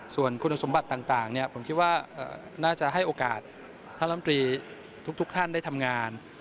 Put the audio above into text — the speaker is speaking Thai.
ส่วนคุณสมบัติต่างผมคิดว่าน่าจะให้โอกาสท่านลำตรีทุกท่านได้ทำงาน